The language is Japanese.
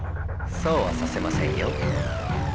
そうはさせませんよ。